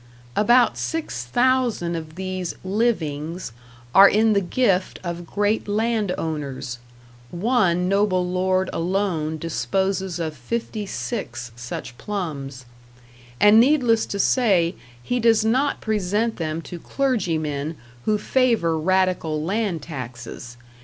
About six thousand of these "livings" are in the gift of great land owners; one noble lord alone disposes of fifty six such plums; and needless to say, he does not present them to clergymen who favor radical land taxes.